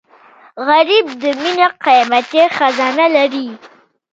غریب د مینې قیمتي خزانه لري